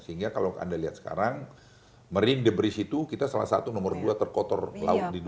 sehingga kalau anda lihat sekarang marine debris itu kita salah satu nomor dua terkotor laut di dunia